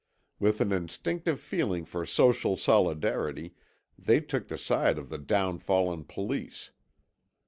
With an instinctive feeling for social solidarity they took the side of the downfallen police.